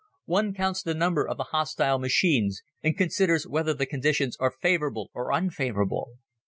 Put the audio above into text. One counts the number of the hostile machines and considers whether the conditions are favorable or unfavorable.